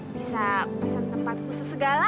bisa pesan tempat khusus segala